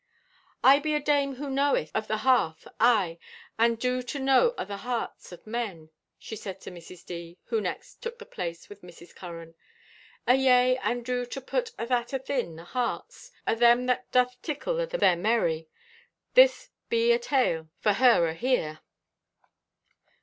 "I be a dame who knoweth o' the hearth. Aye, and do to know o' the hearts o' men," she said to Mrs. D., who next took the place with Mrs. Curran. "Ayea, and do to put o' that athin the hearts o' them that doth tickle o' their merry! This be a tale for her ahere."